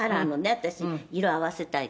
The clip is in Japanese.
私色合わせたいから」